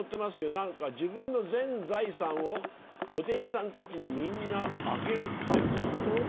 何か自分の全財産をお弟子さんたちにみんなあげるってホント？